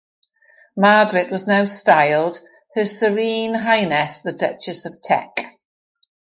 Margaret was now styled, "Her Serene Highness The Duchess of Teck".